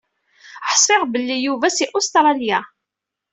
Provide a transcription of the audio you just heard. Ḥṣiɣ belli Yuba si Ustralya.